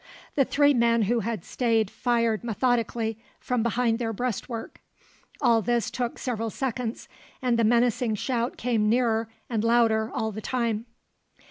The three men who had stayed fired methodically from behind their breastwork. All this took several seconds; and the menacing shout came nearer and louder all the time.